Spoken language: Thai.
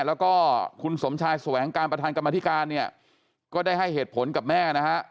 แล้วก็คุณสมชายแสวงการประธานกรรมธิการเนี่ยก็ได้ให้เหตุผลกับแม่นะฮะ